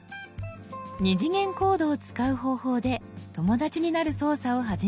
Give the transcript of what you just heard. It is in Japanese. ２次元コードを使う方法で「友だち」になる操作を始めました。